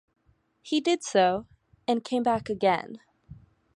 He did so, and came back again.